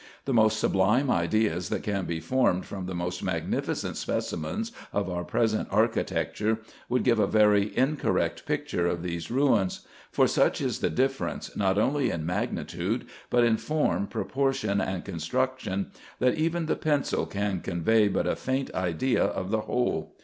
The most sublime ideas, that can be formed from the most magnificent specimens of our present archi tecture, would give a very incorrect picture of these ruins ; for such is the difference, not only in magnitude, but in form, proportion, and construction, that even the pencil can convey but a faint idea of the whole.